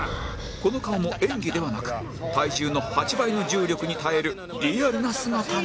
この顔も演技ではなく体重の８倍の重力に耐えるリアルな姿なのだ